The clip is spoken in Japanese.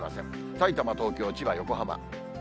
さいたま、東京、千葉、横浜。